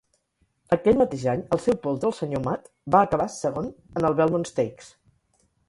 Aquell mateix any, el seu poltre, el senyor Mutt, va acabar segon en el Belmont Stakes.